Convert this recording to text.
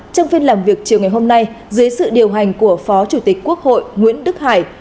trong phiên làm việc chiều ngày hôm nay dưới sự điều hành của phó chủ tịch quốc hội nguyễn đức hải